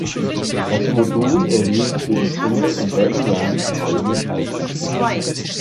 Das Modul erhielt für die Single im selben Jahr die Goldene Schallplatte.